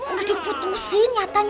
udah diputusin nyatanya